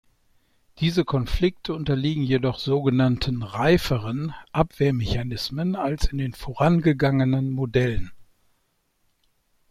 Diese Konflikte unterliegen jedoch sogenannten "reiferen" Abwehrmechanismen als in den vorangegangenen Modellen.